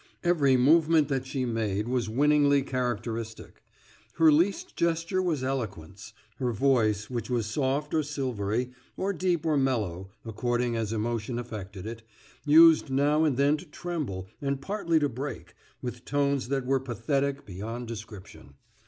Every movement that she made was winningly characteristic. Her least gesture was eloquence, Her voice, which was soft or silvery, or deep or mellow, according as emotion affected it, used now and then to tremble, and partly to break, with tones that were pathetic beyond description.